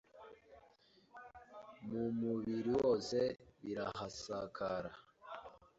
mu mubiri wose birahasakara